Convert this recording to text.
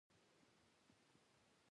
هېڅکله د ملګرتیا اپونو ته نه ده ننوتې